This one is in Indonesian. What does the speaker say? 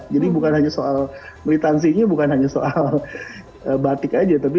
bukan hanya soal militansinya bukan hanya soal batik aja